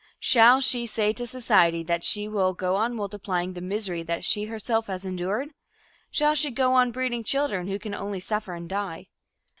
Shall she say to society that she will go on multiplying the misery that she herself has endured? Shall she go on breeding children who can only suffer and die?